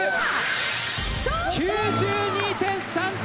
９２．３点！